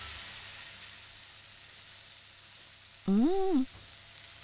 うん。